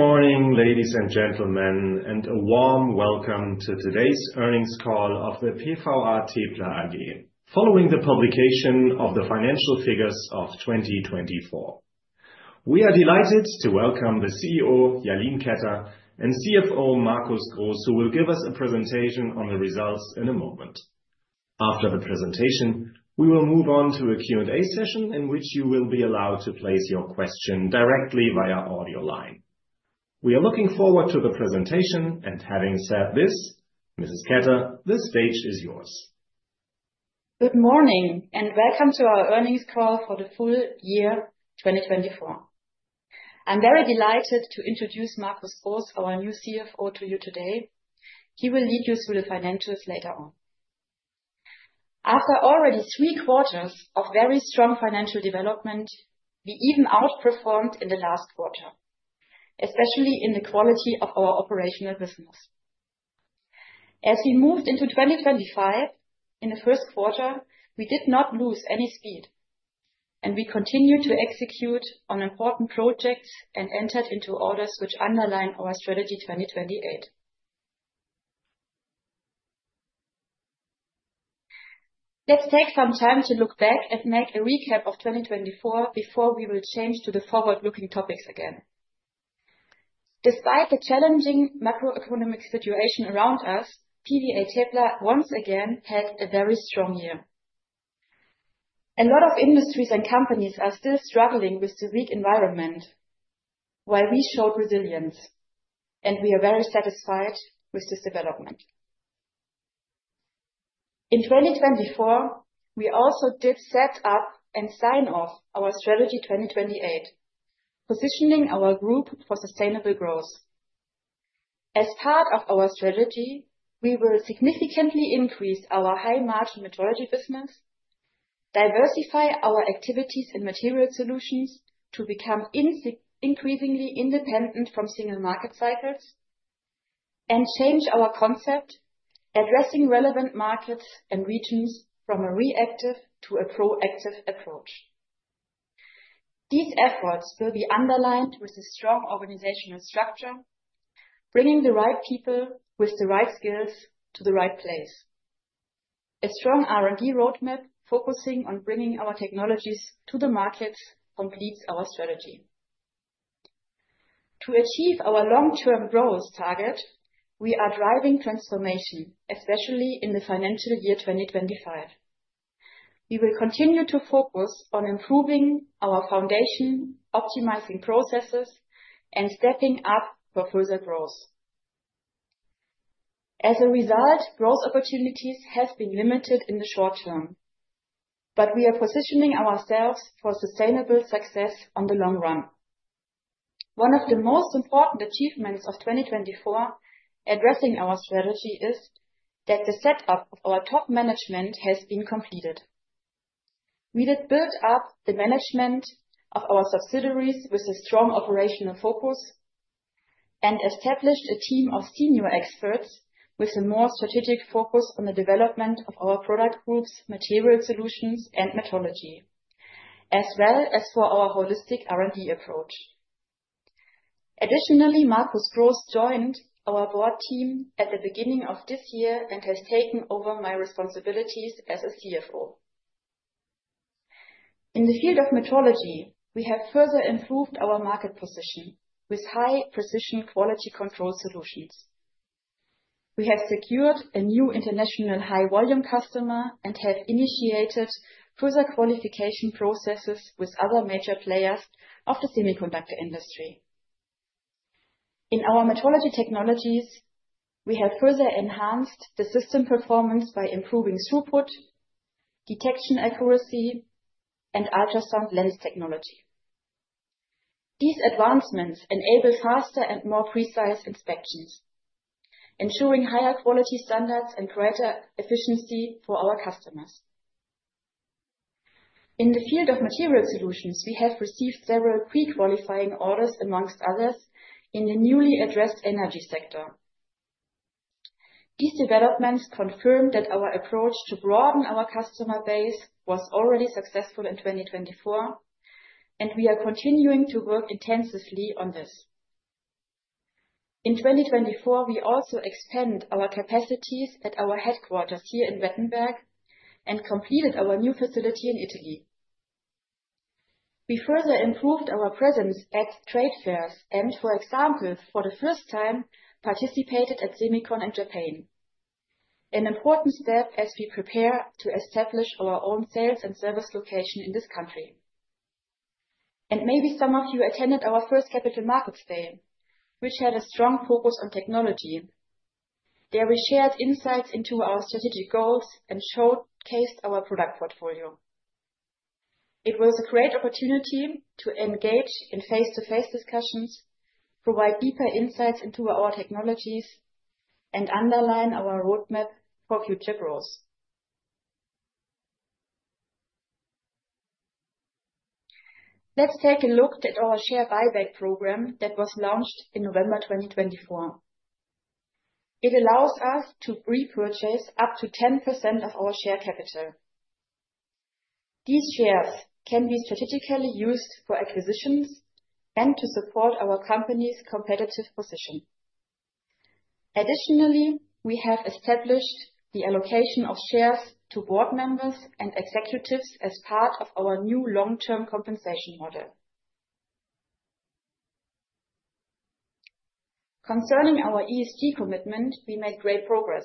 Good morning, ladies and gentlemen, and a warm welcome to today's earnings call of PVA TePla AG, following the publication of the financial figures of 2024. We are delighted to welcome the CEO, Jalin Ketter, and CFO, Markus Groß, who will give us a presentation on the results in a moment. After the presentation, we will move on to a Q&A session in which you will be allowed to place your question directly via audio line. We are looking forward to the presentation, and having said this, Ms. Ketter, the stage is yours. Good morning and welcome to our earnings call for the full year 2024. I'm very delighted to introduce Markus Groß, our new CFO, to you today. He will lead you through the financials later on. After already three quarters of very strong financial development, we even outperformed in the last quarter, especially in the quality of our operational business. As we moved into 2025, in the first quarter, we did not lose any speed, and we continued to execute on important projects and entered into orders which underline our strategy 2028. Let's take some time to look back and make a recap of 2024 before we will change to the forward-looking topics again. Despite the challenging macroeconomic situation around us, PVA TePla once again had a very strong year. A lot of industries and companies are still struggling with the weak environment, while we showed resilience, and we are very satisfied with this development. In 2024, we also did set up and sign off our strategy 2028, positioning our group for sustainable growth. As part of our strategy, we will significantly increase our high-margin majority business, diversify our activities in material solutions to become increasingly independent from single market cycles, and change our concept, addressing relevant markets and regions from a reactive to a proactive approach. These efforts will be underlined with a strong organizational structure, bringing the right people with the right skills to the right place. A strong R&D roadmap focusing on bringing our technologies to the markets completes our strategy. To achieve our long-term growth target, we are driving transformation, especially in the financial year 2025. We will continue to focus on improving our foundation, optimizing processes, and stepping up for further growth. As a result, growth opportunities have been limited in the short term, but we are positioning ourselves for sustainable success on the long run. One of the most important achievements of 2024 addressing our strategy is that the setup of our top management has been completed. We did build up the management of our subsidiaries with a strong operational focus and established a team of senior experts with a more strategic focus on the development of our product groups, material solutions, and metrology, as well as for our holistic R&D approach. Additionally, Markus Groß joined our board team at the beginning of this year and has taken over my responsibilities as CFO. In the field of metrology, we have further improved our market position with high-precision quality control solutions. We have secured a new international high-volume customer and have initiated further qualification processes with other major players of the semiconductor industry. In our metrology technologies, we have further enhanced the system performance by improving throughput, detection accuracy, and ultrasound lens technology. These advancements enable faster and more precise inspections, ensuring higher quality standards and greater efficiency for our customers. In the field of material solutions, we have received several pre-qualifying orders, amongst others, in the newly addressed energy sector. These developments confirm that our approach to broaden our customer base was already successful in 2024, and we are continuing to work intensively on this. In 2024, we also expand our capacities at our headquarters here in Wettenberg and completed our new facility in Italy. We further improved our presence at trade fairs and, for example, for the first time, participated at SEMICON in Japan, an important step as we prepare to establish our own sales and service location in this country. Maybe some of you attended our first Capital Markets Day, which had a strong focus on technology. There we shared insights into our strategic goals and showcased our product portfolio. It was a great opportunity to engage in face-to-face discussions, provide deeper insights into our technologies, and underline our roadmap for future growth. Let's take a look at our share buyback program that was launched in November 2024. It allows us to repurchase up to 10% of our share capital. These shares can be strategically used for acquisitions and to support our company's competitive position. Additionally, we have established the allocation of shares to board members and executives as part of our new long-term compensation model. Concerning our ESG commitment, we made great progress.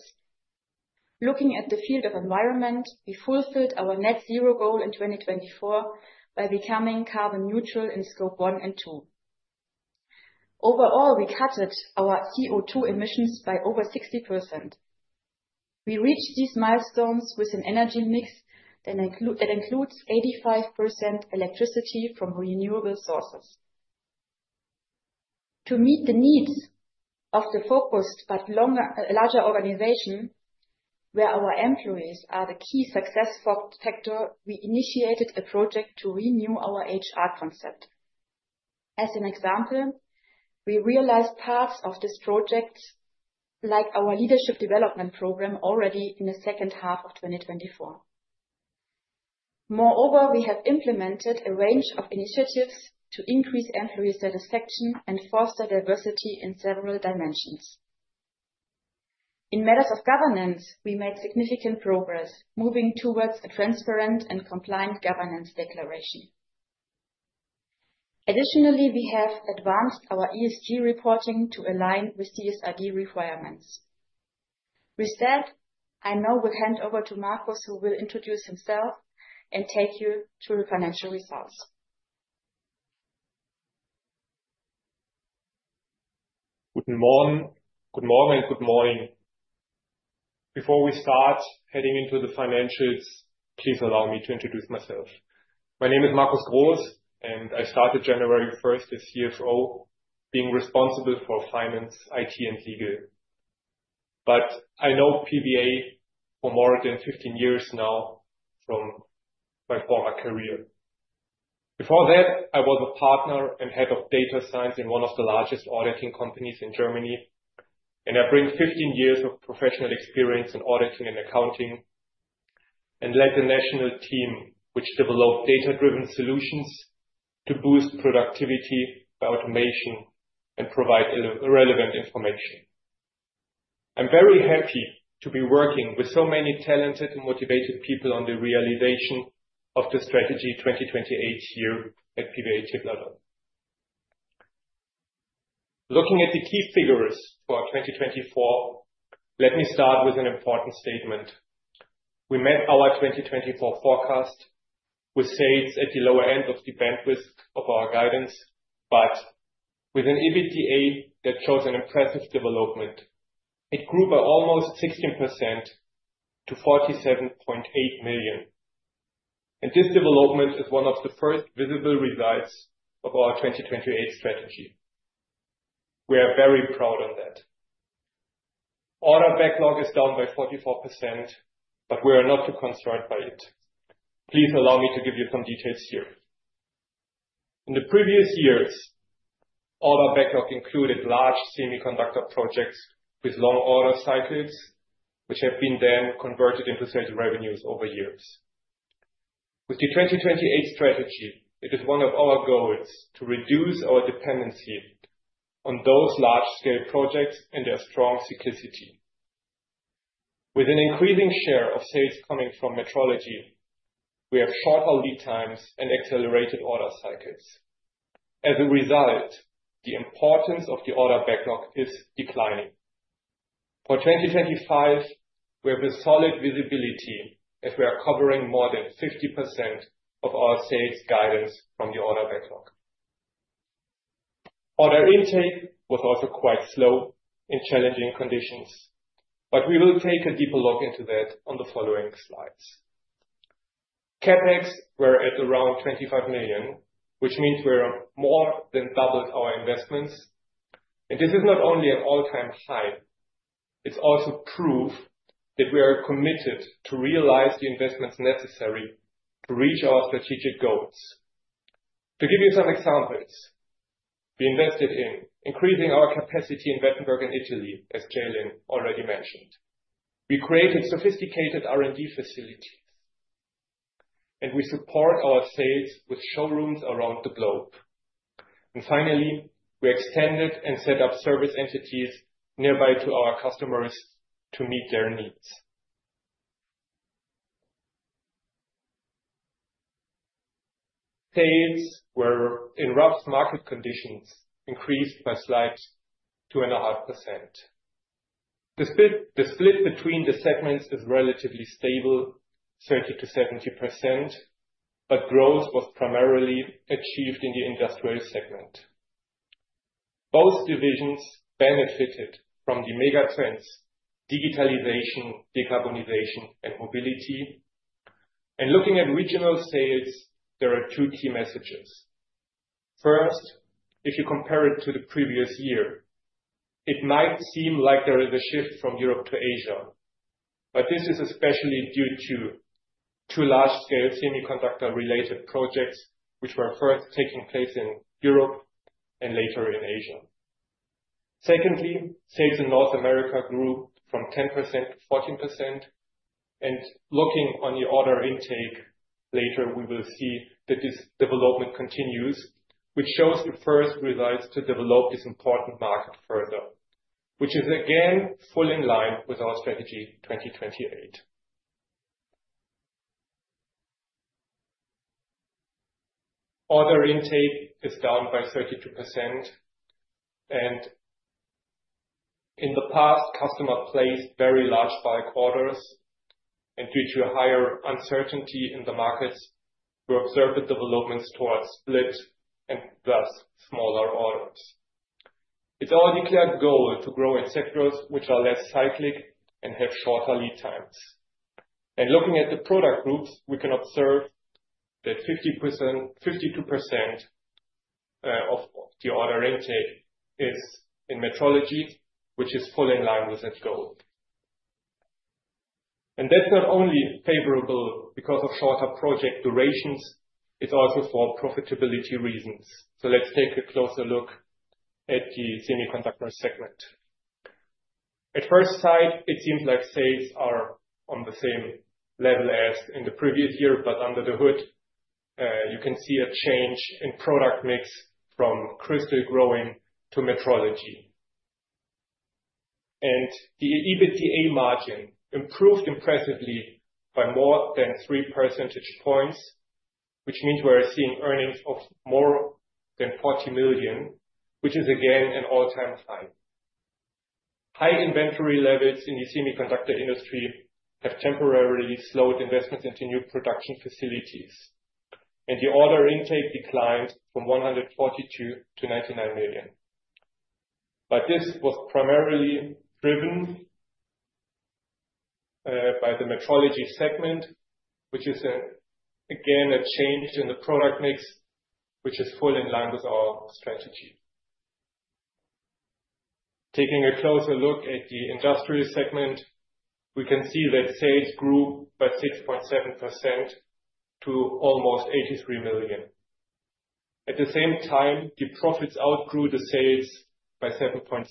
Looking at the field of environment, we fulfilled our net zero goal in 2024 by becoming carbon neutral in Scope 1 and 2. Overall, we cut our CO2 emissions by over 60%. We reached these milestones with an energy mix that includes 85% electricity from renewable sources. To meet the needs of the focused but larger organization, where our employees are the key success factor, we initiated a project to renew our HR concept. As an example, we realized parts of this project, like our leadership development program, already in the second half of 2024. Moreover, we have implemented a range of initiatives to increase employee satisfaction and foster diversity in several dimensions. In matters of governance, we made significant progress, moving towards a transparent and compliant governance declaration. Additionally, we have advanced our ESG reporting to align with CSRD requirements. With that, I now will hand over to Markus, who will introduce himself and take you through the financial results. Good morning, good morning, good morning. Before we start heading into the financials, please allow me to introduce myself. My name is Markus Groß, and I started January 1st as CFO, being responsible for finance, IT, and legal. I know PVA for more than 15 years now from my former career. Before that, I was a partner and head of data science in one of the largest auditing companies in Germany, and I bring 15 years of professional experience in auditing and accounting and led the national team, which developed data-driven solutions to boost productivity by automation and provide relevant information. I'm very happy to be working with so many talented and motivated people on the realization of the strategy 2028 here at PVA TePla. Looking at the key figures for 2024, let me start with an important statement. We met our 2024 forecast with sales at the lower end of the bandwidth of our guidance, but with an EBITDA that shows an impressive development. It grew by almost 16% to 47.8 million. This development is one of the first visible results of our 2028 strategy. We are very proud of that. Order backlog is down by 44%, but we are not too concerned by it. Please allow me to give you some details here. In the previous years, order backlog included large semiconductor projects with long order cycles, which have been then converted into sales revenues over years. With the 2028 strategy, it is one of our goals to reduce our dependency on those large-scale projects and their strong cyclicity. With an increasing share of sales coming from metrology, we have shorter lead times and accelerated order cycles. As a result, the importance of the order backlog is declining. For 2025, we have a solid visibility as we are covering more than 50% of our sales guidance from the order backlog. Order intake was also quite slow in challenging conditions, but we will take a deeper look into that on the following slides. CapEx were at around 25 million, which means we more than doubled our investments. This is not only an all-time high. It is also proof that we are committed to realize the investments necessary to reach our strategic goals. To give you some examples, we invested in increasing our capacity in Wettenberg and Italy, as Jalin already mentioned. We created sophisticated R&D facilities, and we support our sales with showrooms around the globe. Finally, we extended and set up service entities nearby to our customers to meet their needs. Sales were in rough market conditions increased by slight 2.5%. The split between the segments is relatively stable, 30%-70%, but growth was primarily achieved in the industrial segment. Both divisions benefited from the mega trends: digitalization, decarbonization, and mobility. Looking at regional sales, there are two key messages. First, if you compare it to the previous year, it might seem like there is a shift from Europe to Asia, but this is especially due to two large-scale semiconductor-related projects, which were first taking place in Europe and later in Asia. Secondly, sales in North America grew from 10% to 14%. Looking on the order intake later, we will see that this development continues, which shows the first results to develop this important market further, which is again fully in line with our strategy 2028. Order intake is down by 32%. In the past, customers placed very large bulk orders. Due to higher uncertainty in the markets, we observed the developments towards split and thus smaller orders. It is our declared goal to grow in sectors which are less cyclic and have shorter lead times. Looking at the product groups, we can observe that 52% of the order intake is in metrology, which is fully in line with that goal. That is not only favorable because of shorter project durations. It is also for profitability reasons. Let's take a closer look at the semiconductor segment. At first sight, it seems like sales are on the same level as in the previous year, but under the hood, you can see a change in product mix from crystal growing to metrology. The EBITDA margin improved impressively by more than 3 percentage points, which means we're seeing earnings of more than 40 million, which is again an all-time high. High inventory levels in the semiconductor industry have temporarily slowed investments into new production facilities. The order intake declined from 142 million to 99 million. This was primarily driven by the metrology segment, which is again a change in the product mix, which is fully in line with our strategy. Taking a closer look at the industrial segment, we can see that sales grew by 6.7% to almost 83 million. At the same time, the profits outgrew the sales by 7.6%.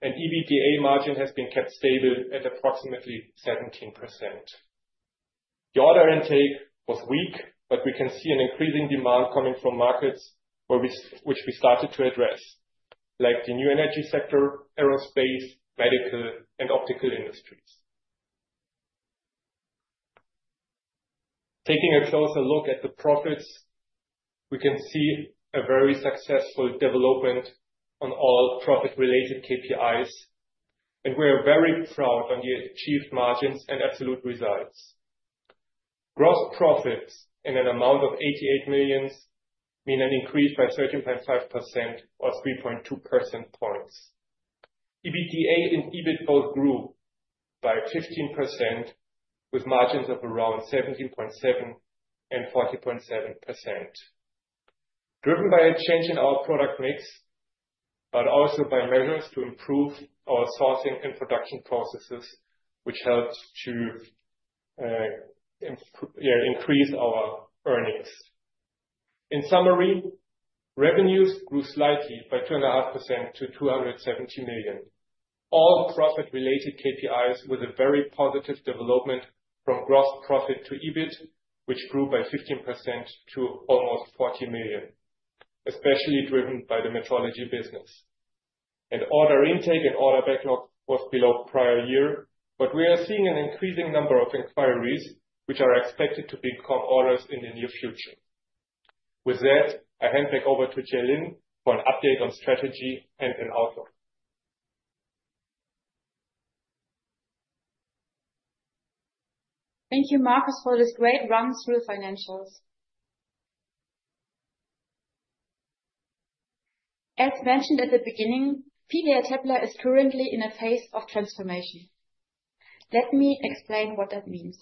The EBITDA margin has been kept stable at approximately 17%. The order intake was weak, but we can see an increasing demand coming from markets where we started to address, like the new energy sector, aerospace, medical, and optical industries. Taking a closer look at the profits, we can see a very successful development on all profit-related KPIs. We are very proud of the achieved margins and absolute results. Gross profits in an amount of 88 million mean an increase by 13.5% or 3.2 percent points. EBITDA and EBIT both grew by 15%, with margins of around 17.7% and 40.7%. Driven by a change in our product mix, but also by measures to improve our sourcing and production processes, which helped to increase our earnings. In summary, revenues grew slightly by 2.5% to 270 million. All profit-related KPIs with a very positive development from gross profit to EBIT, which grew by 15% to almost 40 million, especially driven by the metrology business. Order intake and order backlog was below prior year, but we are seeing an increasing number of inquiries, which are expected to become orders in the near future. With that, I hand back over to Jalin for an update on strategy and an outlook. Thank you, Markus, for this great run-through of financials. As mentioned at the beginning, PVA TePla is currently in a phase of transformation. Let me explain what that means.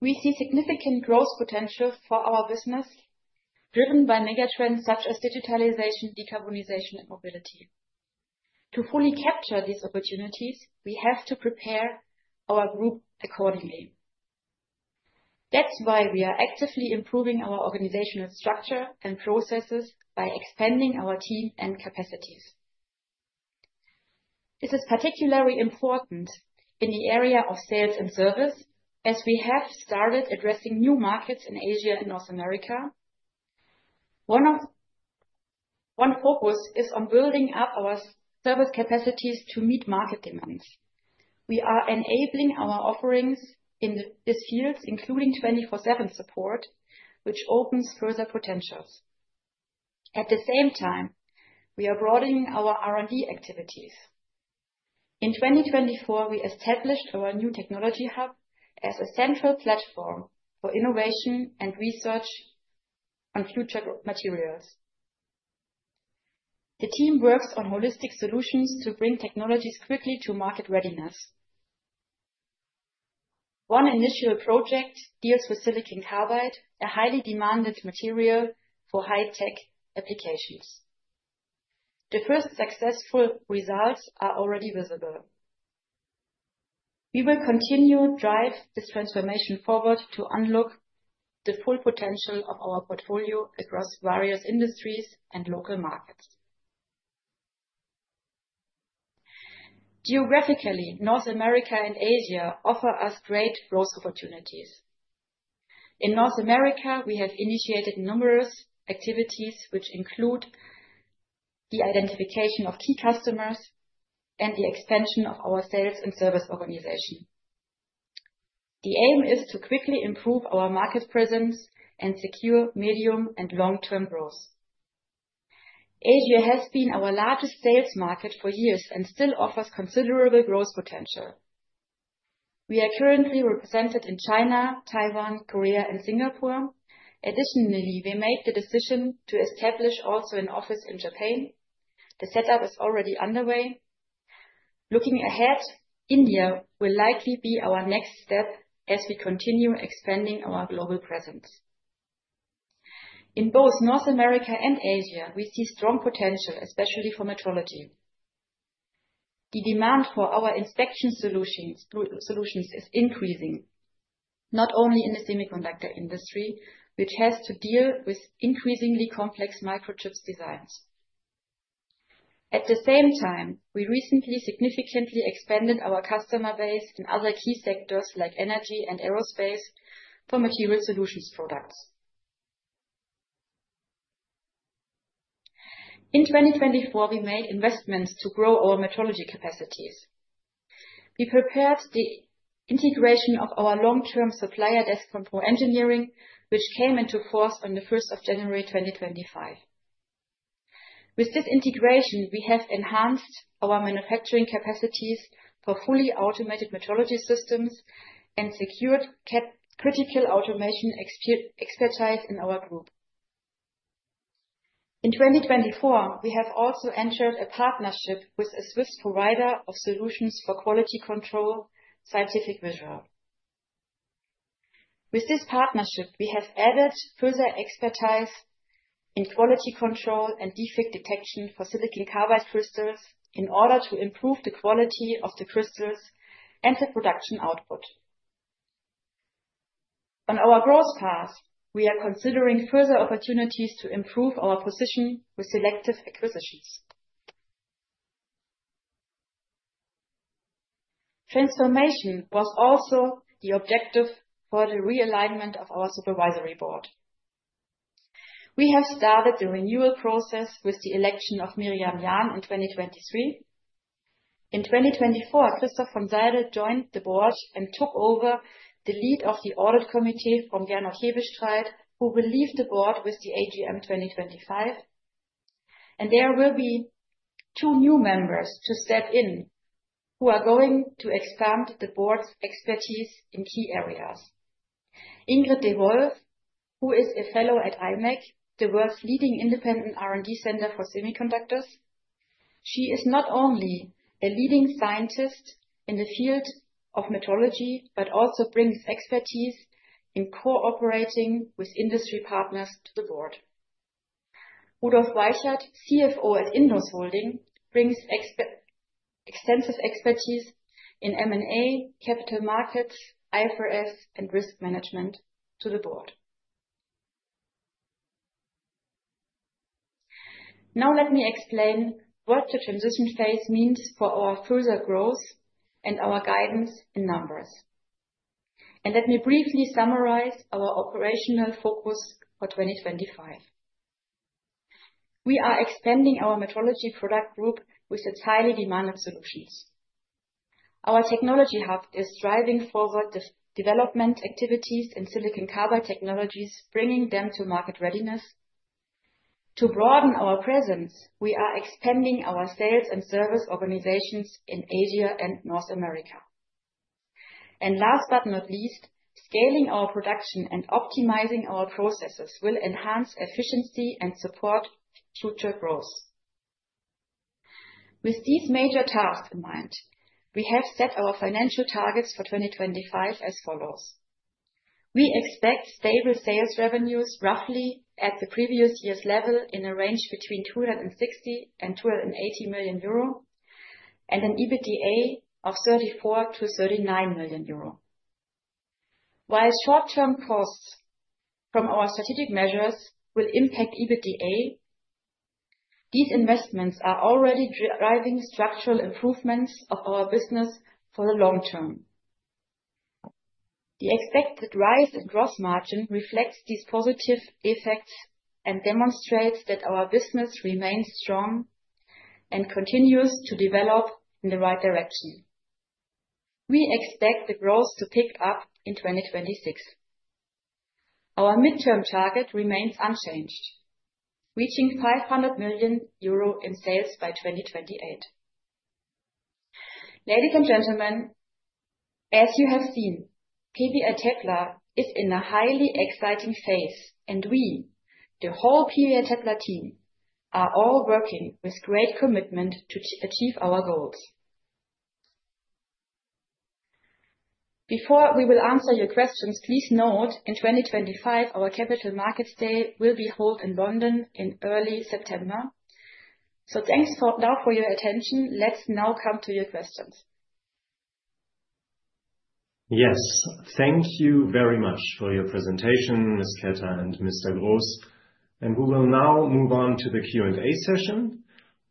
We see significant growth potential for our business, driven by mega trends such as digitalization, decarbonization, and mobility. To fully capture these opportunities, we have to prepare our group accordingly. That is why we are actively improving our organizational structure and processes by expanding our team and capacities. This is particularly important in the area of sales and service, as we have started addressing new markets in Asia and North America. One focus is on building up our service capacities to meet market demands. We are enabling our offerings in these fields, including 24/7 support, which opens further potentials. At the same time, we are broadening our R&D activities. In 2024, we established our new technology hub as a central platform for innovation and research on future materials. The team works on holistic solutions to bring technologies quickly to market readiness. One initial project deals with silicon carbide, a highly demanded material for high-tech applications. The first successful results are already visible. We will continue to drive this transformation forward to unlock the full potential of our portfolio across various industries and local markets. Geographically, North America and Asia offer us great growth opportunities. In North America, we have initiated numerous activities, which include the identification of key customers and the expansion of our sales and service organization. The aim is to quickly improve our market presence and secure medium and long-term growth. Asia has been our largest sales market for years and still offers considerable growth potential. We are currently represented in China, Taiwan, Korea, and Singapore. Additionally, we made the decision to establish also an office in Japan. The setup is already underway. Looking ahead, India will likely be our next step as we continue expanding our global presence. In both North America and Asia, we see strong potential, especially for metrology. The demand for our inspection solutions is increasing, not only in the semiconductor industry, which has to deal with increasingly complex microchip designs. At the same time, we recently significantly expanded our customer base in other key sectors like energy and aerospace for material solutions products. In 2024, we made investments to grow our metrology capacities. We prepared the integration of our long-term supplier DES Engineering, which came into force on the 1st of January 2025. With this integration, we have enhanced our manufacturing capacities for fully automated metrology systems and secured critical automation expertise in our group. In 2024, we have also entered a partnership with a Swiss provider of solutions for quality control Scientific Visual. With this partnership, we have added further expertise in quality control and defect detection for silicon carbide crystals in order to improve the quality of the crystals and the production output. On our growth path, we are considering further opportunities to improve our position with selective acquisitions. Transformation was also the objective for the realignment of our Supervisory Board. We have started the renewal process with the election of Myriam Jahn in 2023. In 2024, Christoph von Seidel joined the board and took over the lead of the audit committee from Gernot Hebestreit, who will leave the board with the AGM 2025. There will be two new members to step in who are going to expand the board's expertise in key areas. Ingrid De Wolf, who is a fellow at IMEC, the world's leading independent R&D center for semiconductors, she is not only a leading scientist in the field of metrology, but also brings expertise in cooperating with industry partners to the board. Udo Broich, CFO at INDUS Holding, brings extensive expertise in M&A, capital markets, IFRS, and risk management to the board. Now let me explain what the transition phase means for our further growth and our guidance in numbers. Let me briefly summarize our operational focus for 2025. We are expanding our metrology product group with its highly demanded solutions. Our technology hub is driving forward the development activities in silicon carbide technologies, bringing them to market readiness. To broaden our presence, we are expanding our sales and service organizations in Asia and North America. Last but not least, scaling our production and optimizing our processes will enhance efficiency and support future growth. With these major tasks in mind, we have set our financial targets for 2025 as follows. We expect stable sales revenues roughly at the previous year's level in a range between 260 million euro and 280 million euro and an EBITDA of 34 million-39 million euro. While short-term costs from our strategic measures will impact EBITDA, these investments are already driving structural improvements of our business for the long term. The expected rise in gross margin reflects these positive effects and demonstrates that our business remains strong and continues to develop in the right direction. We expect the growth to pick up in 2026. Our midterm target remains unchanged, reaching 500 million euro in sales by 2028. Ladies and gentlemen, as you have seen, PVA TePla is in a highly exciting phase, and we, the whole PVA TePla team, are all working with great commitment to achieve our goals. Before we will answer your questions, please note in 2025, our Capital Markets Day will be held in London in early September. Thank you now for your attention. Let's now come to your questions. Yes, thank you very much for your presentation, Ms. Ketter and Mr. Groß. We will now move on to the Q&A session.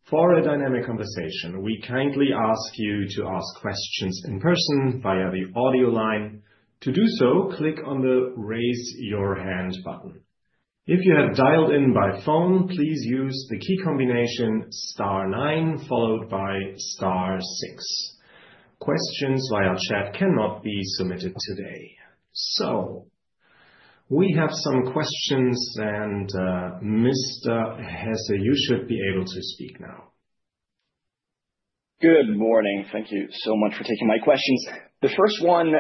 For a dynamic conversation, we kindly ask you to ask questions in person via the audio line. To do so, click on the Raise Your Hand button. If you have dialed in by phone, please use the key combination star nine followed by star six. Questions via chat cannot be submitted today. We have some questions, and Mr. Hesse, you should be able to speak now. Good morning. Thank you so much for taking my questions. The first one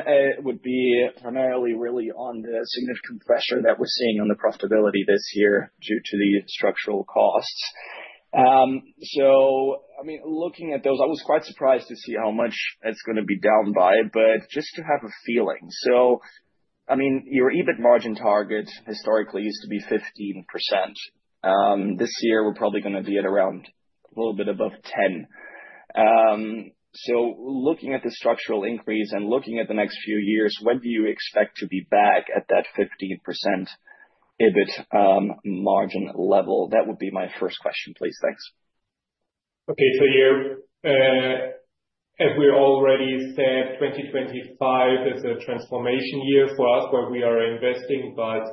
would be primarily really on the significant pressure that we're seeing on the profitability this year due to the structural costs. I mean, looking at those, I was quite surprised to see how much it's going to be down by, but just to have a feeling. I mean, your EBIT margin target historically used to be 15%. This year, we're probably going to be at around a little bit above 10%. Looking at the structural increase and looking at the next few years, when do you expect to be back at that 15% EBIT margin level? That would be my first question, please. Thanks. Okay, so yeah, as we already said, 2025 is a transformation year for us where we are investing, but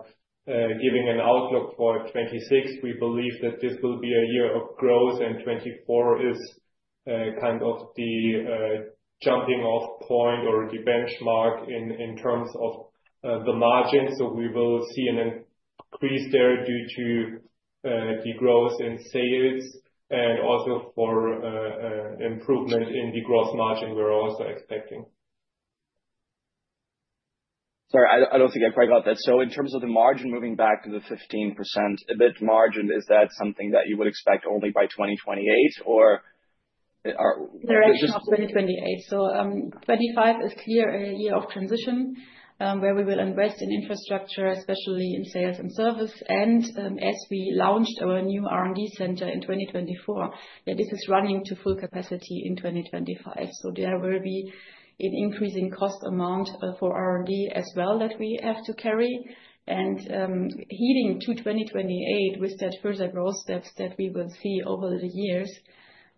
giving an outlook for 2026, we believe that this will be a year of growth, and 2024 is kind of the jumping-off point or the benchmark in terms of the margin. We will see an increase there due to the growth in sales and also for improvement in the gross margin we're also expecting. Sorry, I don't think I quite got that. In terms of the margin, moving back to the 15% EBIT margin, is that something that you would expect only by 2028 or? There is not 2028. 2025 is clearly a year of transition where we will invest in infrastructure, especially in sales and service. As we launched our new R&D center in 2024, this is running to full capacity in 2025. There will be an increasing cost amount for R&D as well that we have to carry. Heading to 2028 with that further growth steps that we will see over the years,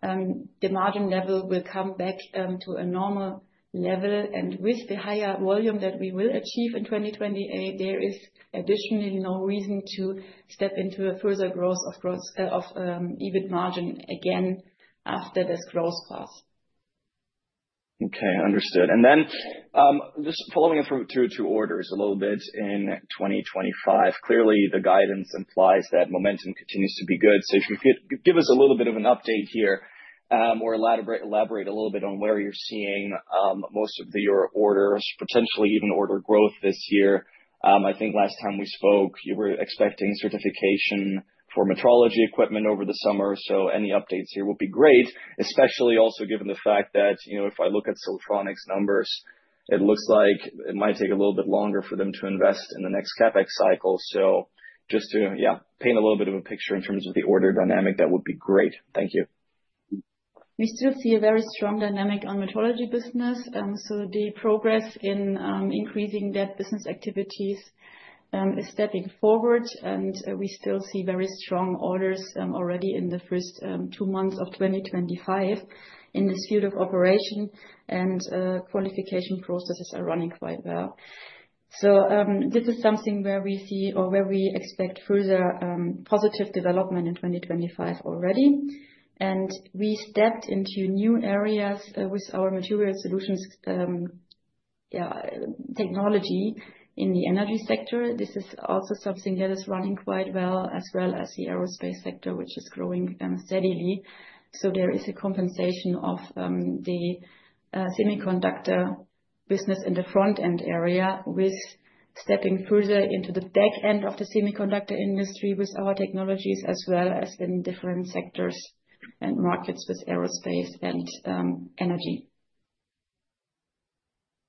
the margin level will come back to a normal level. With the higher volume that we will achieve in 2028, there is additionally no reason to step into a further growth of EBIT margin again after this growth path. Okay, understood. Just following through to orders a little bit in 2025, clearly the guidance implies that momentum continues to be good. If you could give us a little bit of an update here or elaborate a little bit on where you're seeing most of your orders, potentially even order growth this year. I think last time we spoke, you were expecting certification for metrology equipment over the summer. Any updates here would be great, especially also given the fact that if I look at Siltronic's numbers, it looks like it might take a little bit longer for them to invest in the next CapEx cycle. Just to paint a little bit of a picture in terms of the order dynamic, that would be great. Thank you. We still see a very strong dynamic on metrology business. The progress in increasing that business activities is stepping forward, and we still see very strong orders already in the first two months of 2025 in this field of operation, and qualification processes are running quite well. This is something where we see or where we expect further positive development in 2025 already. We stepped into new areas with our material solutions, yeah, technology in the energy sector. This is also something that is running quite well as well as the aerospace sector, which is growing steadily. There is a compensation of the semiconductor business in the front-end area with stepping further into the back end of the semiconductor industry with our technologies as well as in different sectors and markets with aerospace and energy.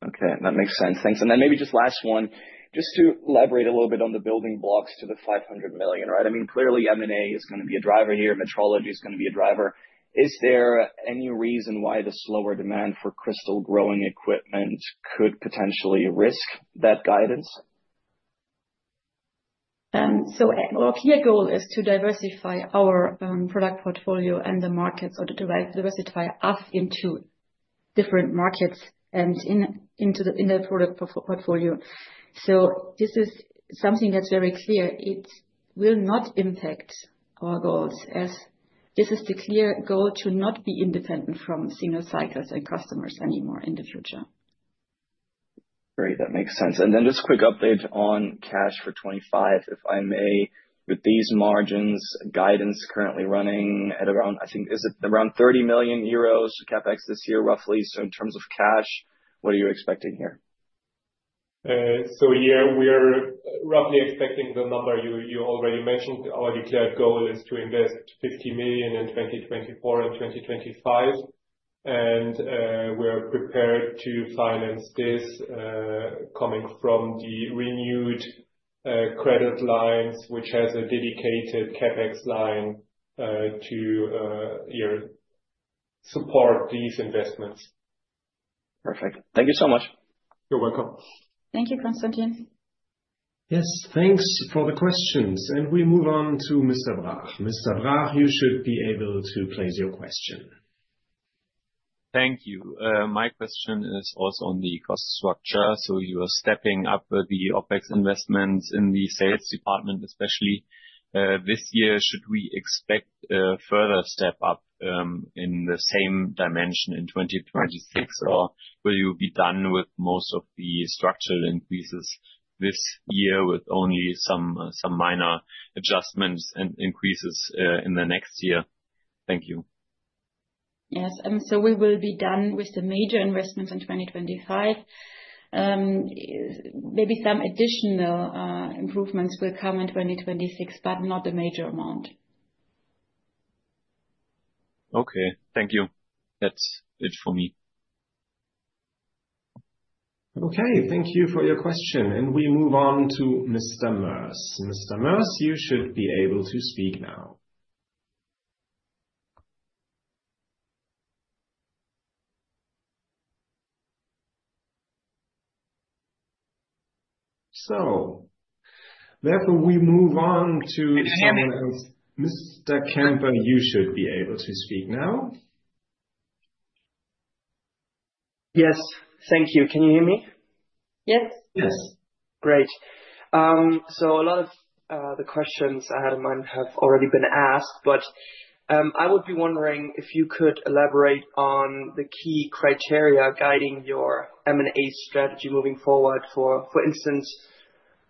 Okay, that makes sense. Thanks. Maybe just last one, just to elaborate a little bit on the building blocks to the 500 million, right? I mean, clearly M&A is going to be a driver here. Metrology is going to be a driver. Is there any reason why the slower demand for crystal growing equipment could potentially risk that guidance? Our clear goal is to diversify our product portfolio and the markets or to diversify us into different markets and into the product portfolio. This is something that's very clear. It will not impact our goals as this is the clear goal to not be independent from single cycles and customers anymore in the future. Great, that makes sense. Just a quick update on cash for 2025, if I may, with these margins, guidance currently running at around, I think, is it around 30 million euros CapEx this year roughly? In terms of cash, what are you expecting here? Yeah, we're roughly expecting the number you already mentioned. Our declared goal is to invest 50 million in 2024 and 2025. We're prepared to finance this coming from the renewed credit lines, which has a dedicated CapEx line to support these investments. Perfect. Thank you so much. You're welcome. Thank you, Constantin. Yes, thanks for the questions. We move on to Mr. Brach. Mr. Brach, you should be able to place your question. Thank you. My question is also on the cost structure. You are stepping up the OpEx investments in the sales department, especially this year. Should we expect a further step up in the same dimension in 2026, or will you be done with most of the structural increases this year with only some minor adjustments and increases in the next year? Thank you. Yes, and we will be done with the major investments in 2025. Maybe some additional improvements will come in 2026, but not a major amount. Okay, thank you. That's it for me. Okay, thank you for your question. We move on to Mr. Moers. Mr. Moers, you should be able to speak now. Therefore, we move on to someone else. Mr. Kemper, you should be able to speak now. Yes, thank you. Can you hear me? Yes. Yes. Great. A lot of the questions I had in mind have already been asked, but I would be wondering if you could elaborate on the key criteria guiding your M&A strategy moving forward. For instance,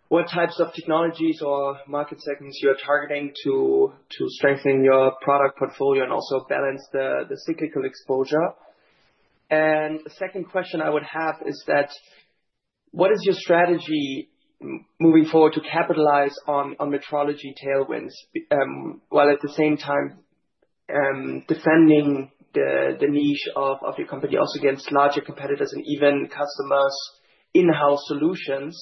what types of technologies or market segments you are targeting to strengthen your product portfolio and also balance the cyclical exposure? The second question I would have is that what is your strategy moving forward to capitalize on metrology tailwinds while at the same time defending the niche of your company also against larger competitors and even customers' in-house solutions?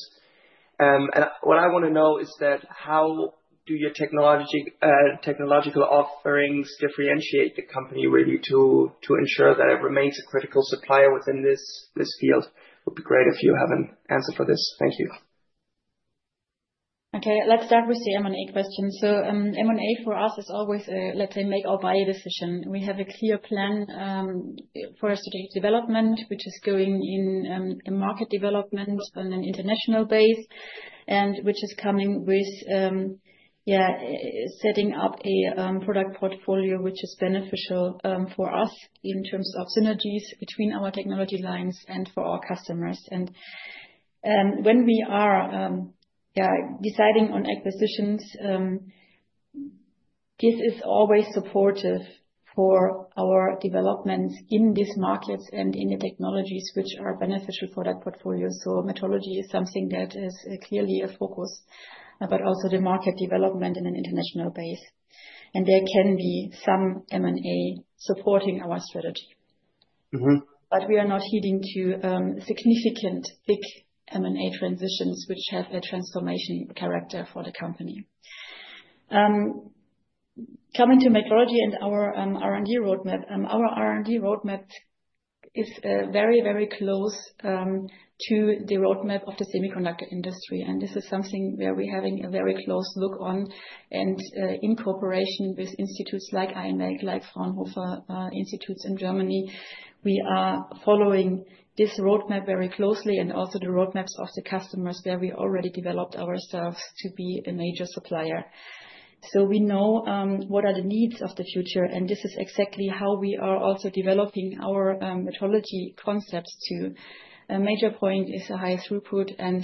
What I want to know is that how do your technological offerings differentiate the company really to ensure that it remains a critical supplier within this field? It would be great if you have an answer for this. Thank you. Okay, let's start with the M&A question. M&A for us is always, let's say, make or buy a decision. We have a clear plan for strategic development, which is going in the market development on an international base, and which is coming with, yeah, setting up a product portfolio which is beneficial for us in terms of synergies between our technology lines and for our customers. When we are deciding on acquisitions, this is always supportive for our developments in these markets and in the technologies which are beneficial for that portfolio. Metrology is something that is clearly a focus, but also the market development in an international base. There can be some M&A supporting our strategy. We are not heading to significant big M&A transitions which have a transformation character for the company. Coming to metrology and our R&D roadmap, our R&D roadmap is very, very close to the roadmap of the semiconductor industry. This is something where we're having a very close look on and in cooperation with institutes like IMEC, like Fraunhofer institutes in Germany. We are following this roadmap very closely and also the roadmaps of the customers where we already developed ourselves to be a major supplier. We know what are the needs of the future, and this is exactly how we are also developing our metrology concepts too. A major point is a high throughput and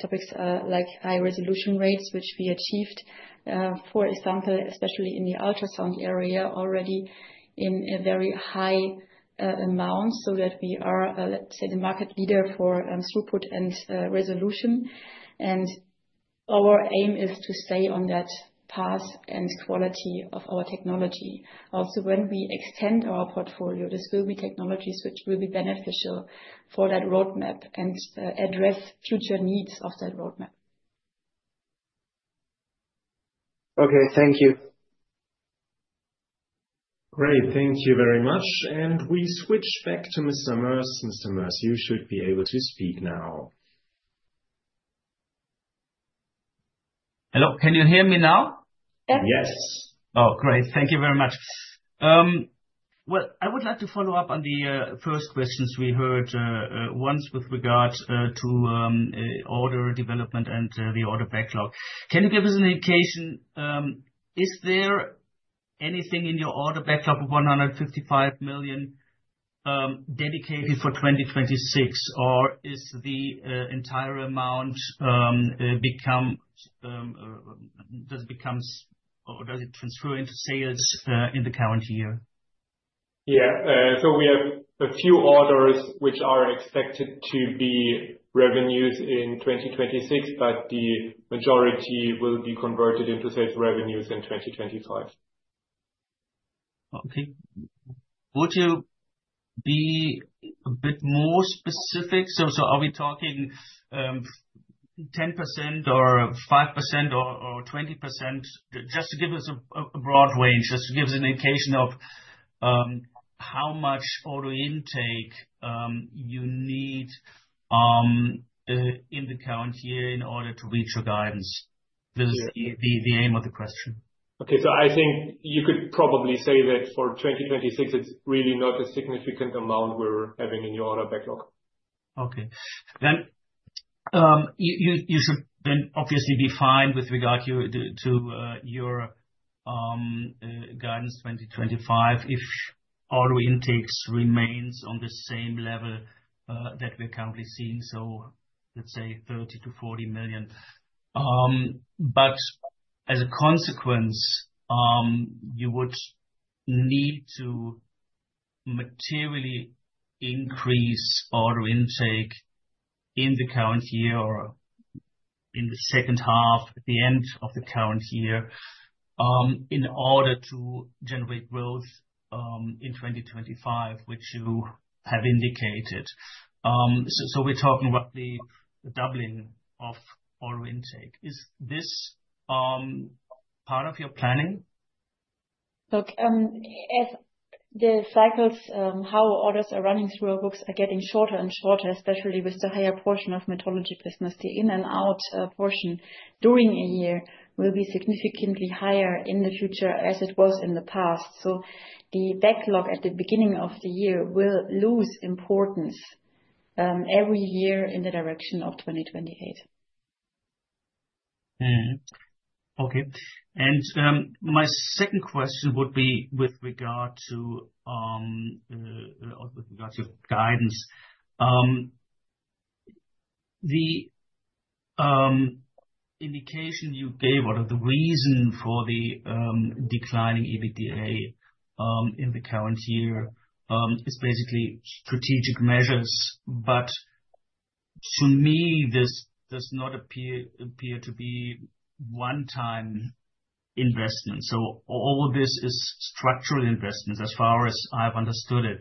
topics like high resolution rates, which we achieved, for example, especially in the ultrasound area already in a very high amount so that we are, let's say, the market leader for throughput and resolution. Our aim is to stay on that path and quality of our technology. Also, when we extend our portfolio, this will be technologies which will be beneficial for that roadmap and address future needs of that roadmap. Okay, thank you. Great, thank you very much. We switch back to Mr. Moers. Mr. Moers, you should be able to speak now. Hello, can you hear me now? Yes. Yes. Oh, great. Thank you very much. I would like to follow up on the first questions we heard once with regard to order development and the order backlog. Can you give us an indication? Is there anything in your order backlog of 155 million dedicated for 2026, or does the entire amount become, does it become, or does it transfer into sales in the current year? Yeah, so we have a few orders which are expected to be revenues in 2026, but the majority will be converted into sales revenues in 2025. Okay. Would you be a bit more specific? Are we talking 10% or 5% or 20%? Just to give us a broad range, just to give us an indication of how much order intake you need in the current year in order to reach your guidance. This is the aim of the question. Okay, I think you could probably say that for 2026, it's really not a significant amount we're having in your order backlog. Okay. You should then obviously be fine with regard to your guidance 2025 if order intake remains on the same level that we are currently seeing. Let's say 30 million-40 million. As a consequence, you would need to materially increase order intake in the current year or in the second half, at the end of the current year, in order to generate growth in 2025, which you have indicated. We are talking roughly doubling of order intake. Is this part of your planning? Look, as the cycles, how orders are running through our books are getting shorter and shorter, especially with the higher portion of metrology business. The in-and-out portion during a year will be significantly higher in the future as it was in the past. The backlog at the beginning of the year will lose importance every year in the direction of 2028. Okay. My second question would be with regard to guidance. The indication you gave or the reason for the declining EBITDA in the current year is basically strategic measures. To me, this does not appear to be one-time investments. All this is structural investments as far as I've understood it.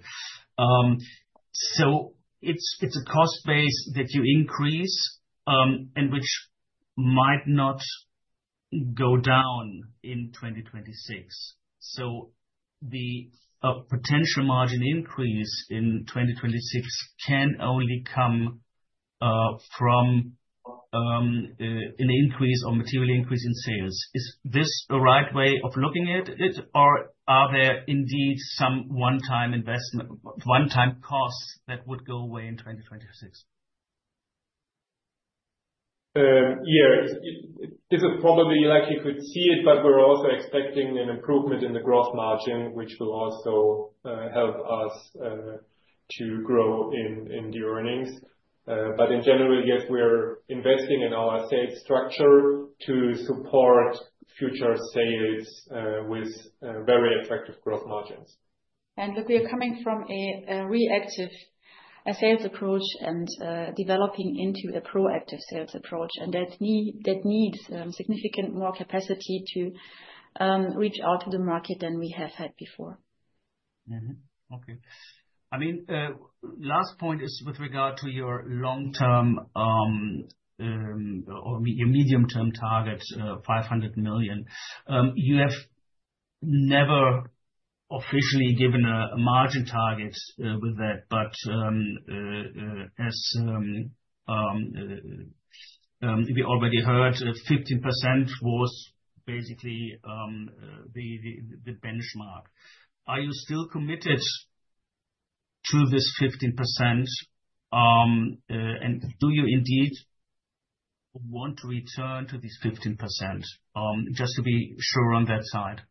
It is a cost base that you increase and which might not go down in 2026. The potential margin increase in 2026 can only come from an increase or material increase in sales. Is this the right way of looking at it, or are there indeed some one-time investment, one-time costs that would go away in 2026? Yeah, this is probably like you could see it, but we're also expecting an improvement in the gross margin, which will also help us to grow in the earnings. In general, yes, we're investing in our sales structure to support future sales with very attractive gross margins. We are coming from a reactive sales approach and developing into a proactive sales approach. That needs significantly more capacity to reach out to the market than we have had before. Okay. I mean, last point is with regard to your long-term or your medium-term target, 500 million. You have never officially given a margin target with that, but as we already heard, 15% was basically the benchmark. Are you still committed to this 15%? And do you indeed want to return to this 15% just to be sure on that side?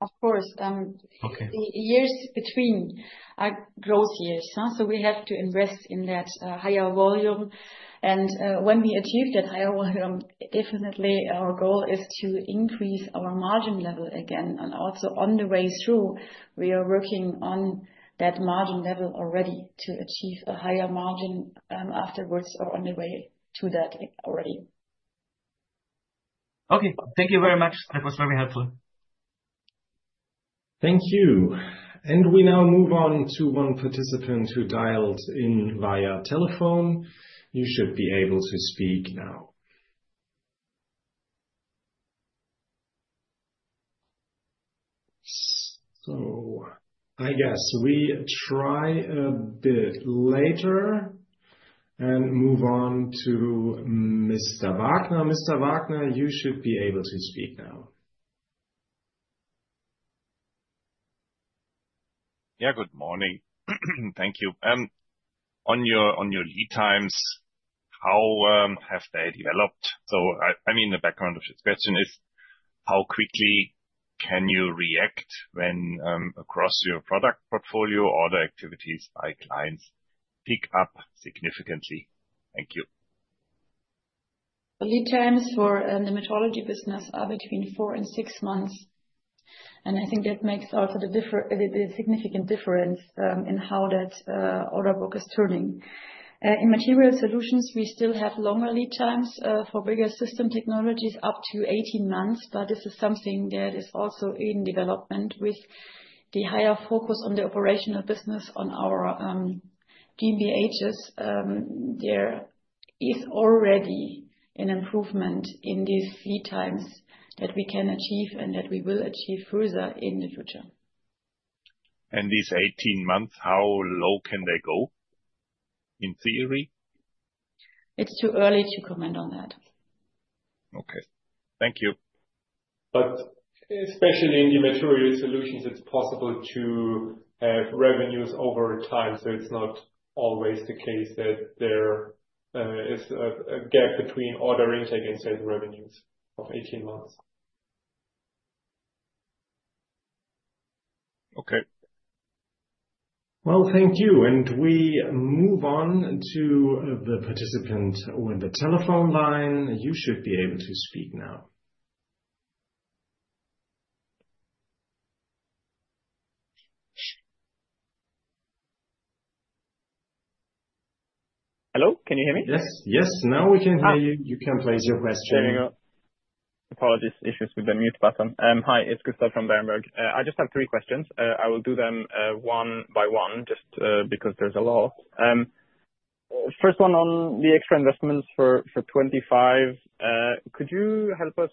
Of course. The years between are gross years. We have to invest in that higher volume. When we achieve that higher volume, definitely our goal is to increase our margin level again. Also, on the way through, we are working on that margin level already to achieve a higher margin afterwards or on the way to that already. Okay. Thank you very much. That was very helpful. Thank you. We now move on to one participant who dialed in via telephone. You should be able to speak now. I guess we try a bit later and move on to Mr. Wagner. Mr. Wagner, you should be able to speak now. Yeah, good morning. Thank you. On your lead times, how have they developed? I mean, the background of this question is how quickly can you react when across your product portfolio or the activities by clients pick up significantly? Thank you. The lead times for the metrology business are between four and six months. I think that makes also the significant difference in how that order book is turning. In material solutions, we still have longer lead times for bigger system technologies up to 18 months, but this is something that is also in development with the higher focus on the operational business on our GmbHs. There is already an improvement in these lead times that we can achieve and that we will achieve further in the future. These 18 months, how low can they go in theory? It's too early to comment on that. Okay. Thank you. Especially in the material solutions, it's possible to have revenues over time. It's not always the case that there is a gap between order intake and sales revenues of 18 months. Okay. Thank you. We move on to the participant with the telephone line. You should be able to speak now. Hello, can you hear me? Yes. Yes, now we can hear you. You can place your question. There you go. Apologies, issues with the mute button. Hi, it's Gustav from Berenberg. I just have three questions. I will do them one by one just because there's a lot. First one on the extra investments for 2025. Could you help us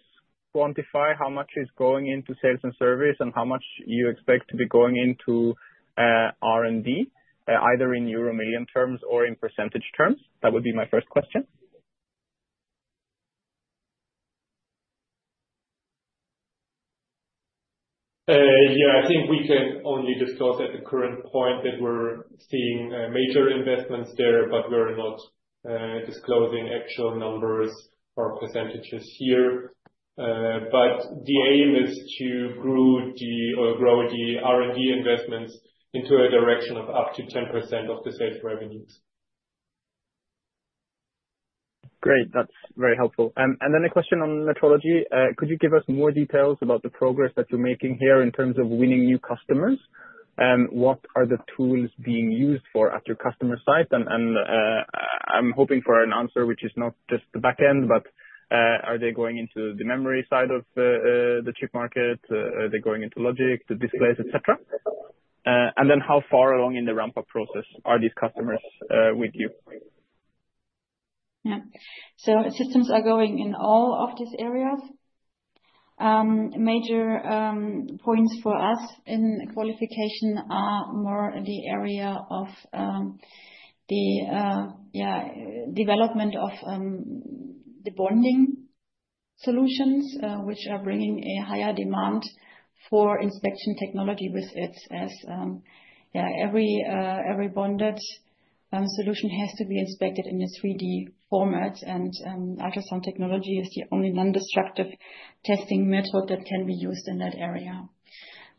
quantify how much is going into sales and service and how much you expect to be going into R&D, either in euro million terms or in percentage terms? That would be my first question. Yeah, I think we can only disclose at the current point that we're seeing major investments there, but we're not disclosing actual numbers or percentages here. The aim is to grow the R&D investments into a direction of up to 10% of the sales revenues. Great. That's very helpful. A question on metrology. Could you give us more details about the progress that you're making here in terms of winning new customers? What are the tools being used for at your customer site? I'm hoping for an answer which is not just the backend, but are they going into the memory side of the chip market? Are they going into logic, the displays, etc.? How far along in the ramp-up process are these customers with you? Yeah. Systems are going in all of these areas. Major points for us in qualification are more in the area of the, yeah, development of the bonding solutions, which are bringing a higher demand for inspection technology with it. Yeah, every bonded solution has to be inspected in a 3D format. And ultrasound technology is the only non-destructive testing method that can be used in that area.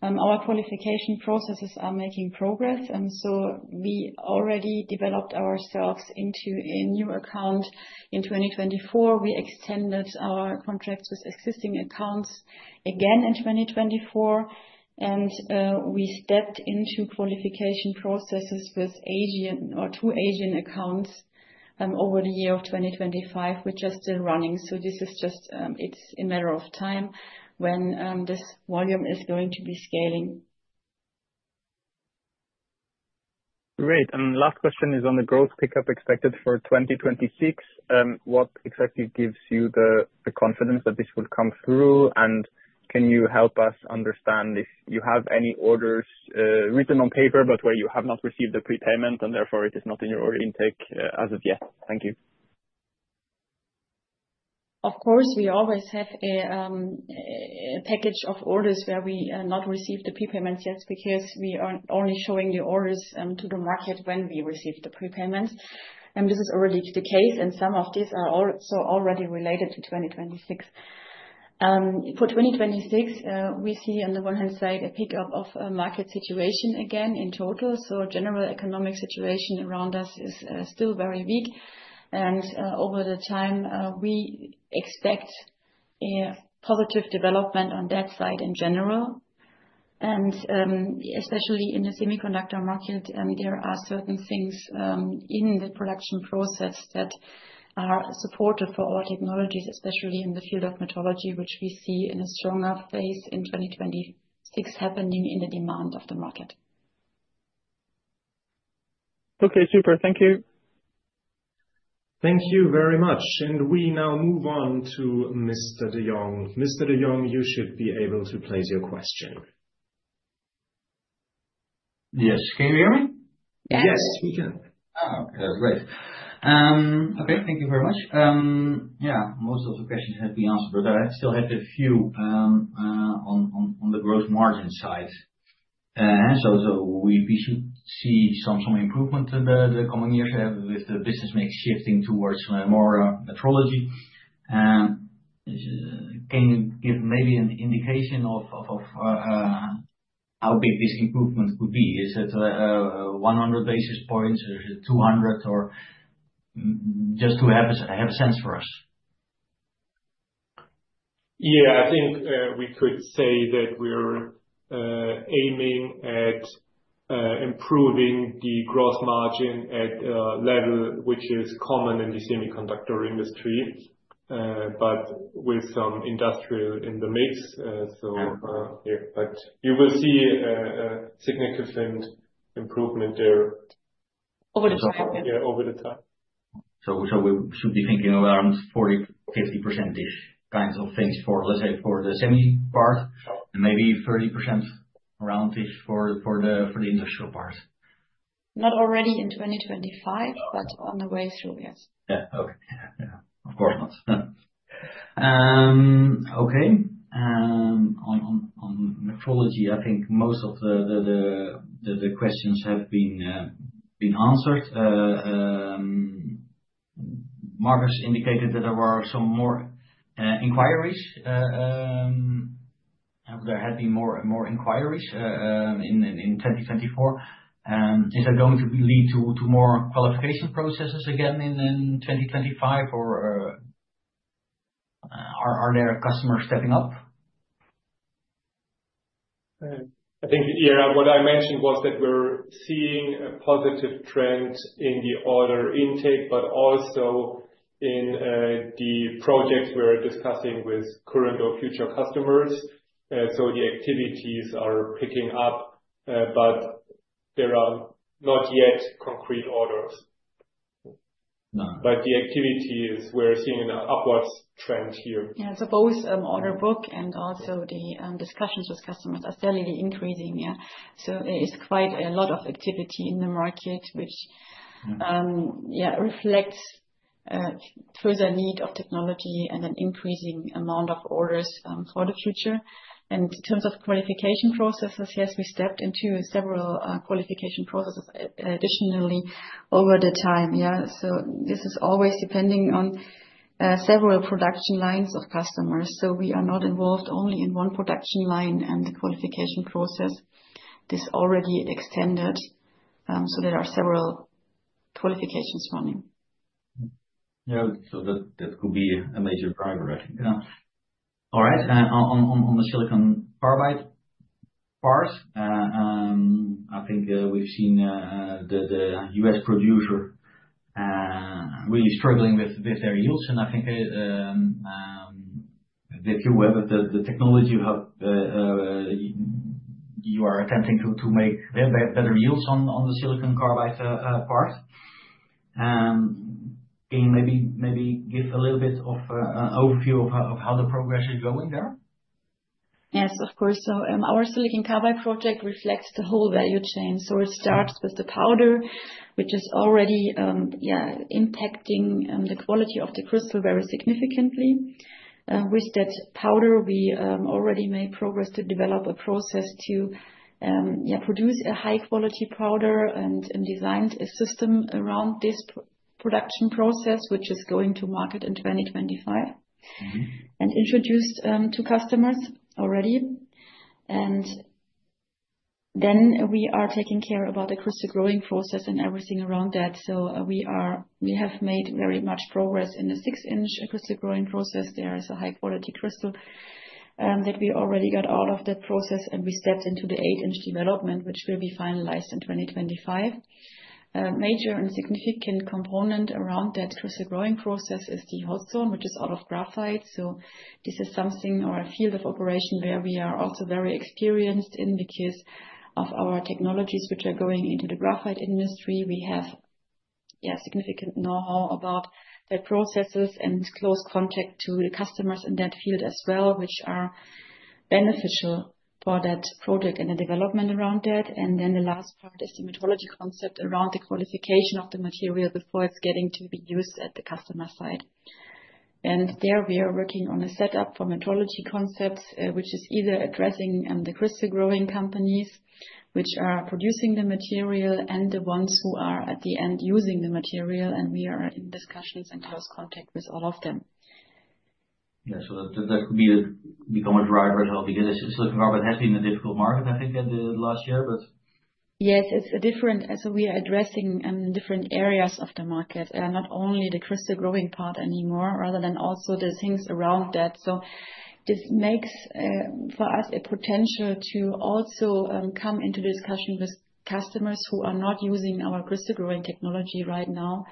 Our qualification processes are making progress. We already developed ourselves into a new account in 2024. We extended our contracts with existing accounts again in 2024. We stepped into qualification processes with two Asian accounts over the year of 2025, which are still running. This is just, it's a matter of time when this volume is going to be scaling. Great. Last question is on the growth pickup expected for 2026. What exactly gives you the confidence that this will come through? Can you help us understand if you have any orders written on paper, but where you have not received the prepayment and therefore it is not in your order intake as of yet? Thank you. Of course, we always have a package of orders where we not receive the prepayments yet because we are only showing the orders to the market when we receive the prepayments. This is already the case. Some of these are also already related to 2026. For 2026, we see on the one hand side a pickup of market situation again in total. The general economic situation around us is still very weak. Over the time, we expect a positive development on that side in general. Especially in the semiconductor market, there are certain things in the production process that are supportive for our technologies, especially in the field of metrology, which we see in a stronger phase in 2026 happening in the demand of the market. Okay, super. Thank you. Thank you very much. We now move on to Mr. De Jong. Mr. De Jong, you should be able to place your question. Yes. Can you hear me? Yes. Yes, we can. Oh, okay. That's great. Okay, thank you very much. Yeah, most of the questions have been answered, but I still have a few on the gross margin side. We should see some improvement in the coming years with the business mix shifting towards more metrology. Can you give maybe an indication of how big this improvement could be? Is it 100 basis points? Is it 200? Or just to have a sense for us? Yeah, I think we could say that we're aiming at improving the gross margin at a level which is common in the semiconductor industry, with some industrial in the mix. Yeah, you will see a significant improvement there. Over the time. Yeah, over the time. We should be thinking around 40%-50% kinds of things for, let's say, for the semi part and maybe 30% around it for the industrial part? Not already in 2025, but on the way through, yes. Yeah. Okay. Yeah. Of course not. Okay. On metrology, I think most of the questions have been answered. Markus indicated that there were some more inquiries. There had been more inquiries in 2024. Is that going to lead to more qualification processes again in 2025? Or are there customers stepping up? I think, yeah, what I mentioned was that we're seeing a positive trend in the order intake, but also in the projects we're discussing with current or future customers. The activities are picking up, but there are not yet concrete orders. The activity is we're seeing an upwards trend here. Yeah. Both order book and also the discussions with customers are steadily increasing. Yeah. It is quite a lot of activity in the market, which, yeah, reflects further need of technology and an increasing amount of orders for the future. In terms of qualification processes, yes, we stepped into several qualification processes additionally over the time. Yeah. This is always depending on several production lines of customers. We are not involved only in one production line and the qualification process. This already extended. There are several qualifications running. Yeah. That could be a major driver, I think. Yeah. All right. On the silicon carbide part, I think we've seen the US producer really struggling with their yields. I think that you have the technology you are attempting to make better yields on the silicon carbide part. Can you maybe give a little bit of an overview of how the progress is going there? Yes, of course. Our silicon carbide project reflects the whole value chain. It starts with the powder, which is already, yeah, impacting the quality of the crystal very significantly. With that powder, we already made progress to develop a process to produce a high-quality powder and designed a system around this production process, which is going to market in 2025 and introduced to customers already. We are taking care about the crystal growing process and everything around that. We have made very much progress in the 6-inch crystal growing process. There is a high-quality crystal that we already got out of that process, and we stepped into the 8-inch development, which will be finalized in 2025. A major and significant component around that crystal growing process is the hot zone, which is out of graphite. This is something or a field of operation where we are also very experienced in because of our technologies, which are going into the graphite industry. We have significant know-how about the processes and close contact to the customers in that field as well, which are beneficial for that project and the development around that. The last part is the metrology concept around the qualification of the material before it's getting to be used at the customer side. There we are working on a setup for metrology concepts, which is either addressing the crystal growing companies which are producing the material and the ones who are at the end using the material. We are in discussions and close contact with all of them. Yeah. That could become a driver because silicon carbide has been a difficult market, I think, in the last year. Yes, it's different. We are addressing different areas of the market, not only the crystal growing part anymore, rather than also the things around that. This makes for us a potential to also come into discussion with customers who are not using our crystal growing technology right now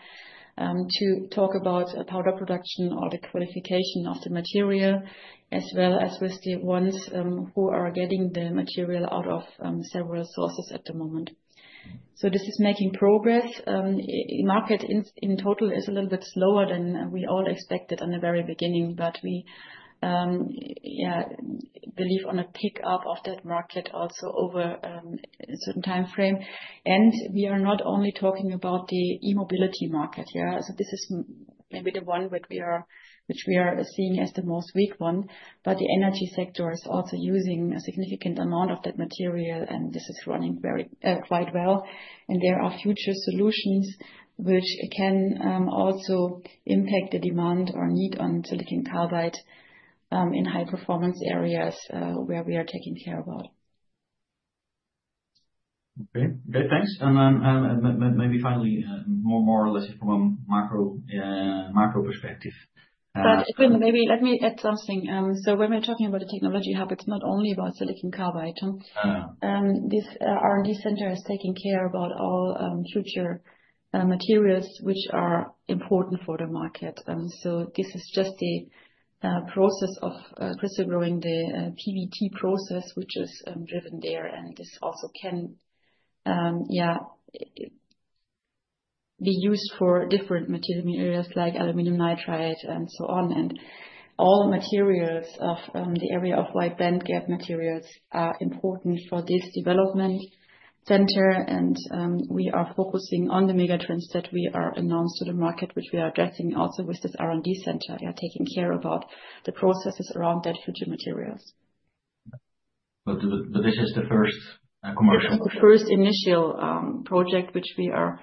to talk about powder production or the qualification of the material, as well as with the ones who are getting the material out of several sources at the moment. This is making progress. Market in total is a little bit slower than we all expected in the very beginning, but we believe on a pickup of that market also over a certain time frame. We are not only talking about the e-mobility market. This is maybe the one which we are seeing as the most weak one, but the energy sector is also using a significant amount of that material, and this is running quite well. There are future solutions which can also impact the demand or need on silicon carbide in high-performance areas where we are taking care about. Okay. Great. Thanks. Maybe finally, more or less from a macro perspective. Maybe let me add something. When we're talking about the technology, it's not only about silicon carbide. This R&D center is taking care about all future materials which are important for the market. This is just the process of crystal growing, the PVT process, which is driven there. This also can, yeah, be used for different material areas like aluminum nitride and so on. All materials of the area of wide bandgap materials are important for this development center. We are focusing on the megatrends that we are announced to the market, which we are addressing also with this R&D center, taking care about the processes around that future materials. This is the first commercial. This is the first initial project, which we are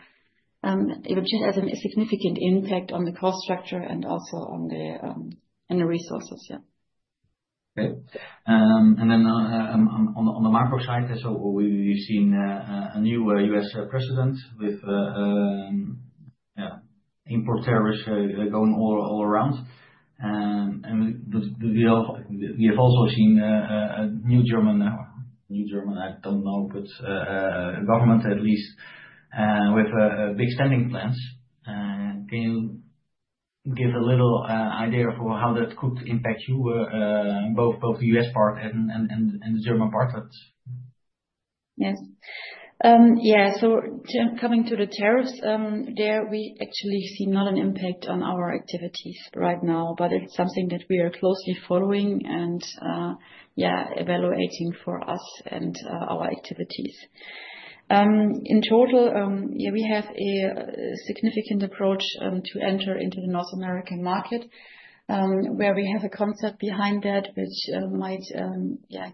even just as a significant impact on the cost structure and also on the resources. Yeah. Okay. On the macro side, we have seen a new U.S. president with, yeah, import tariffs going all around. We have also seen a new German, I do not know, but government at least, with big spending plans. Can you give a little idea of how that could impact you, both the U.S. part and the German part? Yes. Yeah. Coming to the tariffs, we actually see not an impact on our activities right now, but it is something that we are closely following and, yeah, evaluating for us and our activities. In total, we have a significant approach to enter into the North American market where we have a concept behind that, which might, yeah,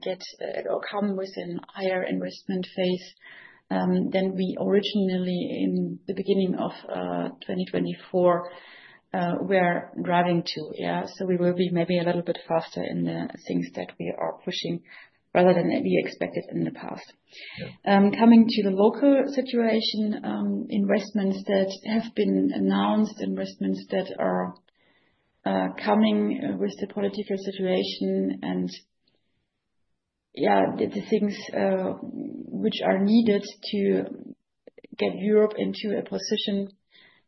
come with a higher investment phase than we originally in the beginning of 2024 were driving to. Yeah. We will be maybe a little bit faster in the things that we are pushing rather than we expected in the past. Coming to the local situation, investments that have been announced, investments that are coming with the political situation, and yeah, the things which are needed to get Europe into a position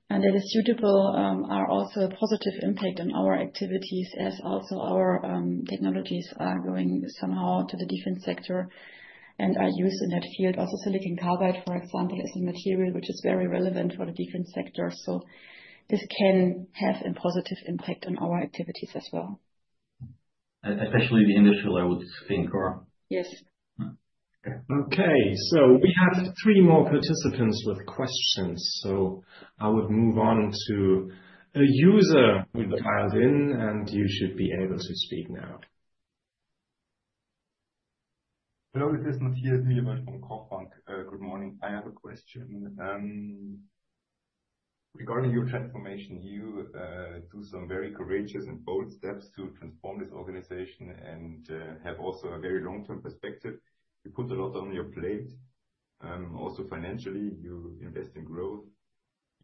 that is suitable are also a positive impact on our activities as also our technologies are going somehow to the defense sector and are used in that field. Also, silicon carbide, for example, is a material which is very relevant for the defense sector. This can have a positive impact on our activities as well. Especially the industrial, I would think, or? Yes. Okay. We have three more participants with questions. I would move on to a user who dialed in, and you should be able to speak now. Hello. This is Matthias Mielmann from Kaufmann. Good morning. I have a question. Regarding your transformation, you do some very courageous and bold steps to transform this organization and have also a very long-term perspective. You put a lot on your plate. Also, financially, you invest in growth.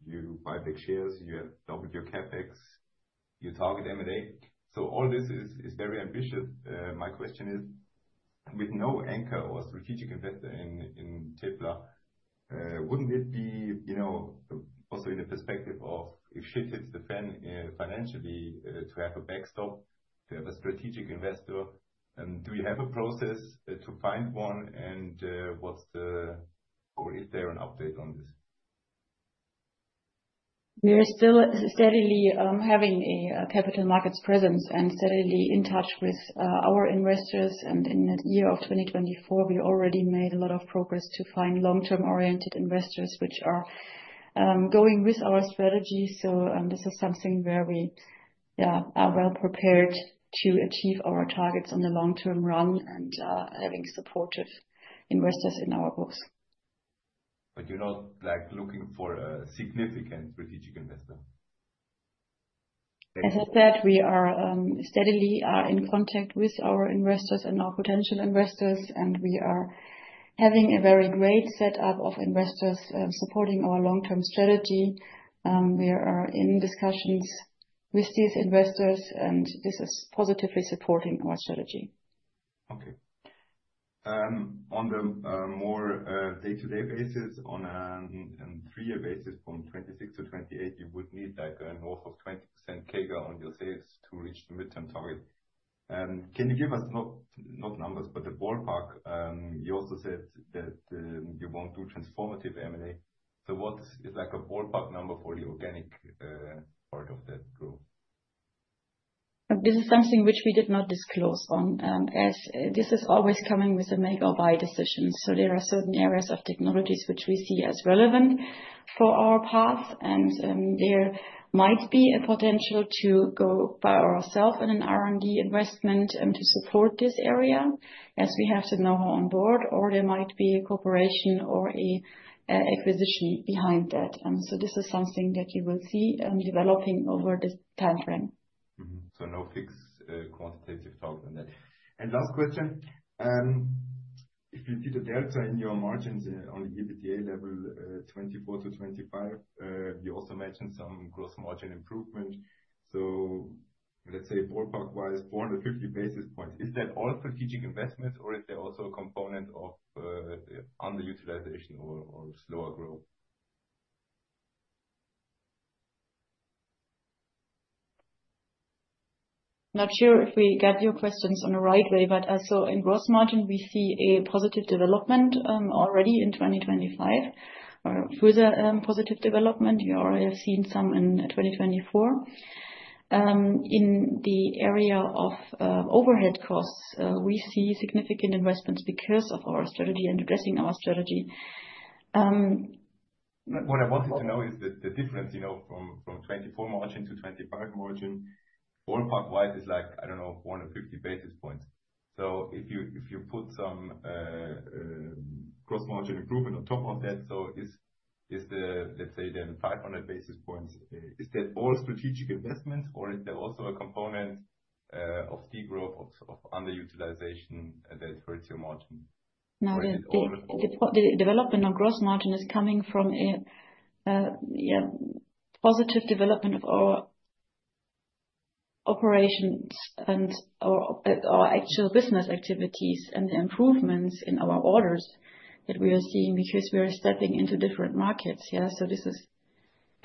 You buy big shares. You have doubled your CapEx. You target M&A. All this is very ambitious. My question is, with no anchor or strategic investor in TePla, would not it be also in the perspective of if shit hits the fan financially to have a backstop, to have a strategic investor? Do you have a process to find one? Is there an update on this? We are still steadily having a capital markets presence and steadily in touch with our investors. In the year of 2024, we already made a lot of progress to find long-term oriented investors which are going with our strategy. This is something where we, yeah, are well prepared to achieve our targets on the long-term run and having supportive investors in our books. You're not looking for a significant strategic investor? As I said, we are steadily in contact with our investors and our potential investors, and we are having a very great setup of investors supporting our long-term strategy. We are in discussions with these investors, and this is positively supporting our strategy. Okay. On the more day-to-day basis, on a three-year basis from 2026 to 2028, you would need like a north of 20% CAGR on your sales to reach the midterm target. Can you give us not numbers, but the ballpark? You also said that you won't do transformative M&A. So what is like a ballpark number for the organic part of that growth? This is something which we did not disclose on, as this is always coming with a make or buy decision. There are certain areas of technologies which we see as relevant for our path, and there might be a potential to go by ourselves in an R&D investment to support this area as we have the know-how on board, or there might be a cooperation or an acquisition behind that. This is something that you will see developing over the time frame. No fixed quantitative target on that. Last question. If you see the delta in your margins on the EBITDA level 2024 to 2025, you also mentioned some gross margin improvement. Let's say ballpark-wise, 450 basis points. Is that all strategic investments, or is there also a component of underutilization or slower growth? Not sure if we got your questions on the right way, but in gross margin, we see a positive development already in 2025, further positive development. We already have seen some in 2024. In the area of overhead costs, we see significant investments because of our strategy and addressing our strategy. What I wanted to know is the difference from 2024 margin to 2025 margin. Ballpark-wise, it's like, I don't know, 450 basis points. If you put some gross margin improvement on top of that, is the, let's say, then 500 basis points, is that all strategic investments, or is there also a component of degrowth, of underutilization that hurts your margin? No, the development of gross margin is coming from a, yeah, positive development of our operations and our actual business activities and the improvements in our orders that we are seeing because we are stepping into different markets. Yeah. This is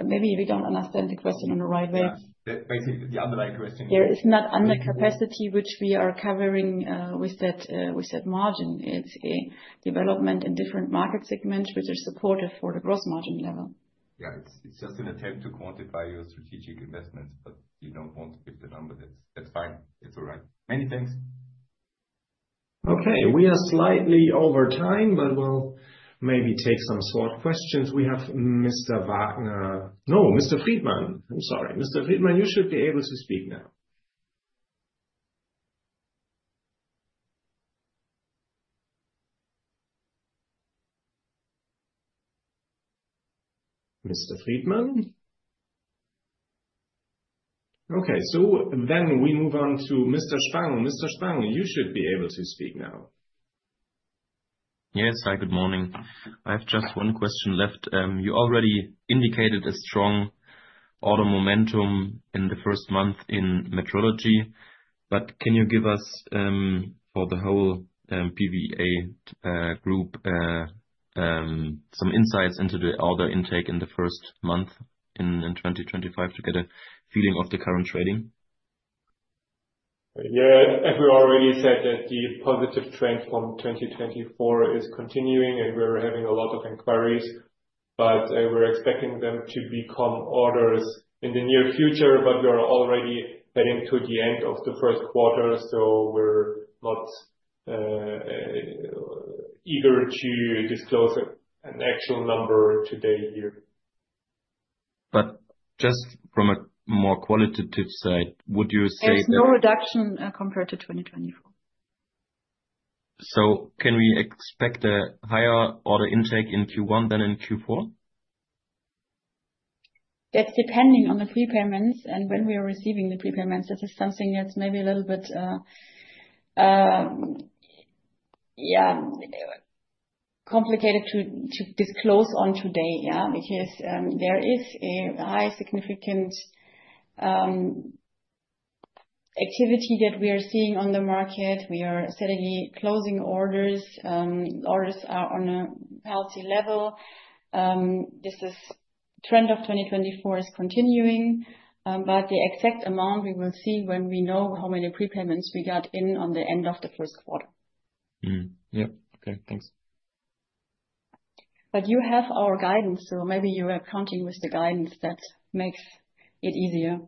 maybe we do not understand the question in the right way. Basically, the underlying question. There is not undercapacity, which we are covering with that margin. It's a development in different market segments which are supportive for the gross margin level. Yeah. It's just an attempt to quantify your strategic investments, but you don't want to give the number. That's fine. It's all right. Many thanks. Okay. We are slightly over time, but we'll maybe take some short questions. We have Mr. Wagner. No, Mr. Friedmann. I'm sorry. Mr. Friedmann, you should be able to speak now. Mr. Friedmann. Okay. We move on to Mr. Spang. Mr. Spang, you should be able to speak now. Yes. Hi, good morning. I have just one question left. You already indicated a strong order momentum in the first month in metrology, but can you give us, for the whole PVA Group, some insights into the order intake in the first month in 2025 to get a feeling of the current trading? Yeah. As we already said, the positive trend from 2024 is continuing, and we're having a lot of inquiries, but we're expecting them to become orders in the near future. We are already heading to the end of the first quarter, so we're not eager to disclose an actual number today here. Just from a more qualitative side, would you say that? There's no reduction compared to 2024. Can we expect a higher order intake in Q1 than in Q4? That's depending on the prepayments. When we are receiving the prepayments, this is something that's maybe a little bit, yeah, complicated to disclose today, yeah, because there is a high significant activity that we are seeing on the market. We are steadily closing orders. Orders are on a healthy level. This trend of 2024 is continuing, but the exact amount we will see when we know how many prepayments we got in at the end of the first quarter. Yep. Okay. Thanks. You have our guidance, so maybe you are counting with the guidance that makes it easier.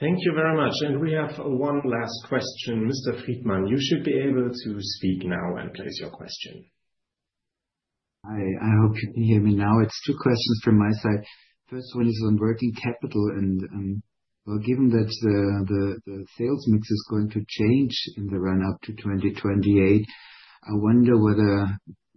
Thank you very much. We have one last question. Mr. Friedmannn, you should be able to speak now and place your question. Hi. I hope you can hear me now. It's two questions from my side. First one is on working capital. Given that the sales mix is going to change in the run-up to 2028, I wonder whether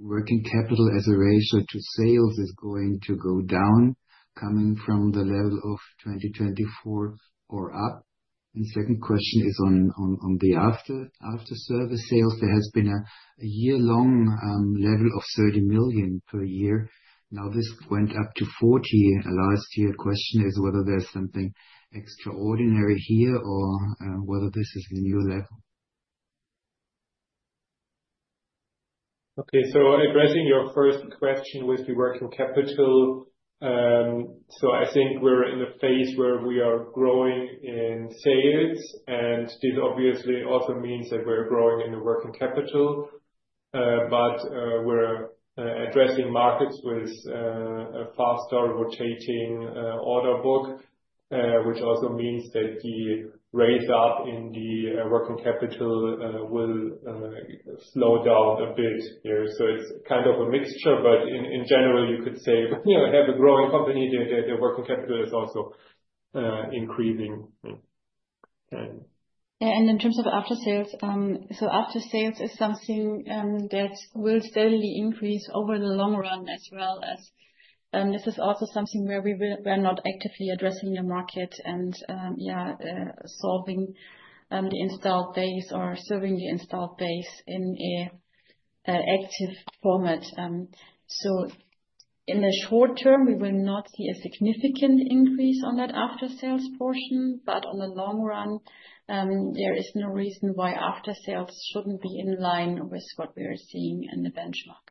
working capital as a ratio to sales is going to go down coming from the level of 2024 or up. Second question is on the after-service sales. There has been a year-long level of 30 million per year. Now, this went up to 40 million last year. Question is whether there's something extraordinary here or whether this is the new level. Okay. Addressing your first question with the working capital, I think we're in a phase where we are growing in sales, and this obviously also means that we're growing in the working capital. We're addressing markets with a faster rotating order book, which also means that the rate up in the working capital will slow down a bit here. It's kind of a mixture, but in general, you could say, yeah, we have a growing company. The working capital is also increasing. Yeah. In terms of after-sales, after-sales is something that will steadily increase over the long run as well. This is also something where we're not actively addressing the market and, yeah, solving the installed base or serving the installed base in an active format. In the short term, we will not see a significant increase on that after-sales portion, but in the long run, there is no reason why after-sales shouldn't be in line with what we are seeing in the benchmark.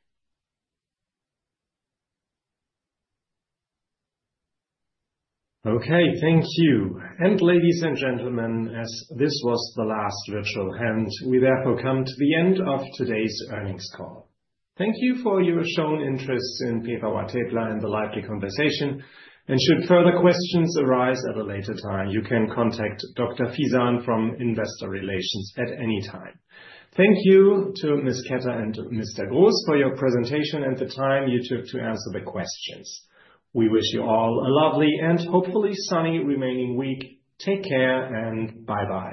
Okay. Thank you. Ladies and gentlemen, as this was the last virtual hand, we therefore come to the end of today's earnings call. Thank you for your shown interest in PVA TePla and the lively conversation. Should further questions arise at a later time, you can contact Dr. Fisahn from Investor Relations at any time. Thank you to Ms. Ketter and Mr. Groß for your presentation and the time you took to answer the questions. We wish you all a lovely and hopefully sunny remaining week. Take care and bye-bye.